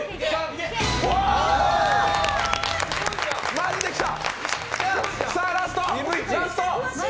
マジできた！